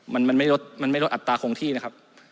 มันไม่ลดอัตราคงที่นะครับ